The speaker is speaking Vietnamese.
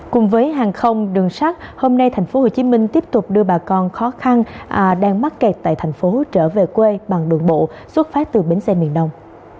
cùng với hàng không đường sát hôm nay tp hcm tiếp tục đưa bà con khó khăn đang mắc kẹt tại thành phố trở về quê bằng đường bộ xuất phát từ bến xe miền đông